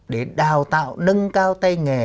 để đào tạo nâng cao tay nghề